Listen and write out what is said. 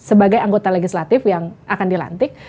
sebagai anggota legislatif yang akan dilantik